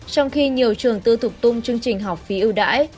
trong khi nhiều trường tư thục tung chương trình học phí ưu đãi